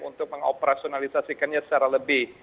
untuk mengoperasionalisasikannya secara lebih